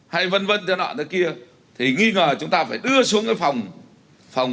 hay vân vân thế nọ thế kia thì nghi ngờ chúng ta phải đưa xuống cái phòng